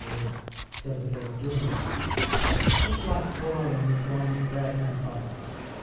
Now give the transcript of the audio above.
e., till the day of doom). It s like quarrelling with one s bread and butter.